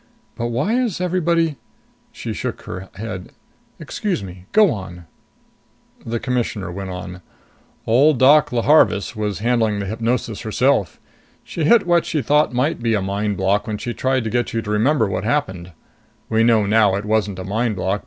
"But why is everybody " She shook her head. "Excuse me. Go on." The Commissioner went on. "Old Doc Leeharvis was handling the hypnosis herself. She hit what she thought might be a mind block when she tried to get you to remember what happened. We know now it wasn't a mind block.